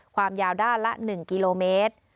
ความยาวด้านละ๑กิโลเมตร